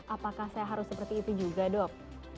apakah saya harus seperti itu juga dok